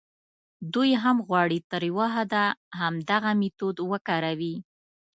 دوی هم غواړي تر یوه حده همدغه میتود وکاروي.